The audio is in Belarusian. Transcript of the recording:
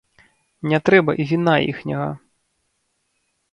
Не трэба і віна іхняга!